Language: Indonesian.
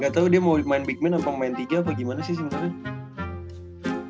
gak tau dia mau main big man atau main tiga apa gimana sih sebenernya